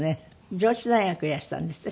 上智大学へいらしたんですって？